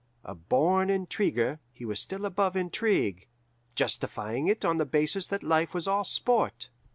A born intriguer, he still was above intrigue, justifying it on the basis that life was all sport.